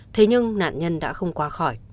thế nhưng nạn nhân đã không qua khỏi